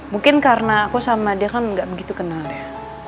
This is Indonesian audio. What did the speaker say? mungkin karena aku sama dia kan nggak begitu kenal ya